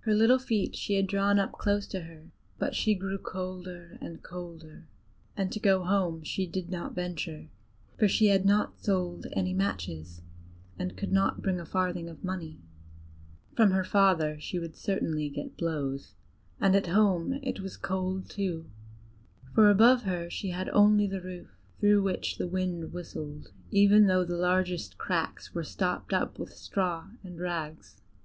Her little feet she had drawn close up to her, but she grew colder and colder, and to go home she did not venture, for she had not sold any matches and could not bring a farthing of money: from her father she would certainly get blows, and at home it was cold too, for above her she had only the roof, through which the wind whistled, even though the largest cracks were stopped up with straw and rags.